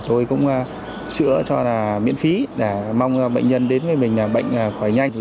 tôi cũng chữa cho miễn phí để mong bệnh nhân đến với mình bệnh khỏi nhanh